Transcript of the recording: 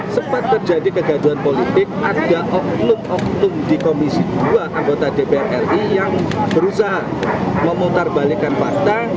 sempat terjadi kegaduhan politik ada oknum oknum di komisi dua anggota dpr ri yang berusaha memutar balikan fakta